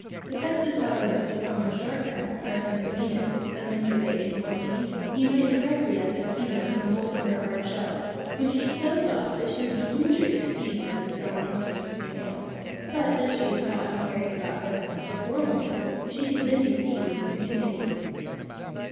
') The sexes, however, of the common shore crab (Carcinus maenas), as Mr. Bate informs me, unite directly after the female has moulted her hard shell, when she is so soft that she would be injured if seized by the strong pincers of the male; but as she is caught and carried about by the male before moulting, she could then be seized with impunity.